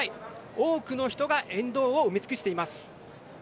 多くの人が沿道を埋め尽くしています。